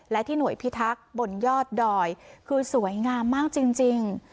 และที่หน่วยพิทักษ์บนยอดดอยคือสวยงามมากจริง